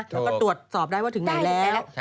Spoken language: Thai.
แล้วก็ตรวจสอบได้ว่าถึงไหนแล้ว